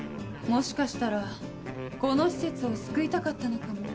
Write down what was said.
もしかしたらこの施設を救いたかったのかも。